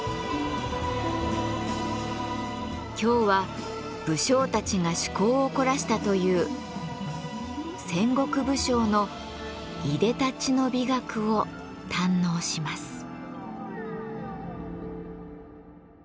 今日は武将たちが趣向を凝らしたという戦国武将のいでたちの美学を堪能します。